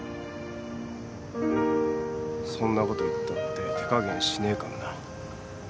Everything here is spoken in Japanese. そんなこと言ったって手加減しねえかんな。